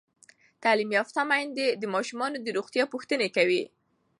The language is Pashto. تعلیم یافته میندې د ماشومانو د روغتیا پوښتنې کوي.